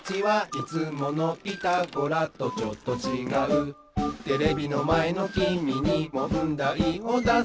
「いつもの『ピタゴラ』とちょっとちがう」「テレビのまえのきみにもんだいをだすぞ」